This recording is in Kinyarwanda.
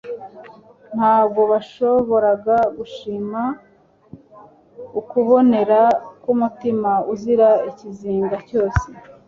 Ntabwo bashoboraga gushima ukubonera k'umutima uzira ikizinga cyose.